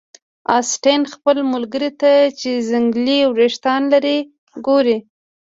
اسټین خپل ملګري ته چې ځنګلي ویښتان لري ګوري